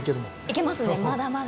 いけますねまだまだ。